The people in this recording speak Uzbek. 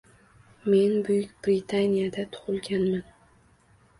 Men Buyuk Britaniyada tugʻilganman.